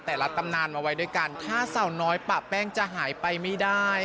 แต่ละตำนานมาไว้ด้วยกันถ้าสาวน้อยปะแป้งจะหายไปไม่ได้